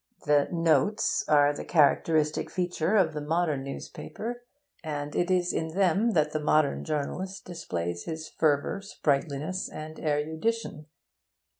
The 'notes' are the characteristic feature of the modern newspaper, and it is in them that the modern journalist displays his fervour, sprightliness, and erudition.